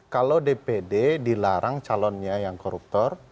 kalau dpd dilarang calonnya yang koruptor